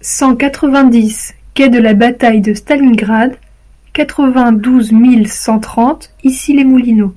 cent quatre-vingt-dix quai de la Bataille de Stalingrad, quatre-vingt-douze mille cent trente Issy-les-Moulineaux